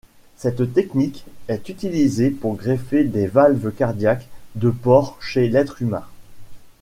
Cette technique est utilisée pour greffer des valves cardiaques de porcs chez l'être humain.